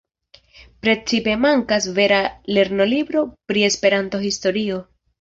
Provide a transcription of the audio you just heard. Precipe mankas vera lernolibro pri Esperanto-historio.